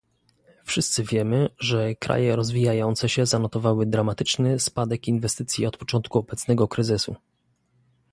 Wszyscy wiemy, że kraje rozwijające się zanotowały dramatyczny spadek inwestycji od początku obecnego kryzysu